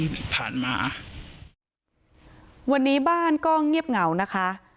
วันนี้บ้านก็เงียบเหงานะคะ